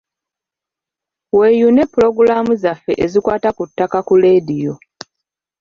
Weeyune Pulogulaamu zaffe ezikwata ku ttaka ku leediyo.